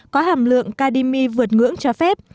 có hàm lượng cademy vượt ngưỡng cho phép